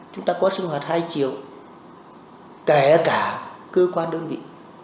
chúng ta có sinh hoạt hai triệu kể cả cơ quan đơn vị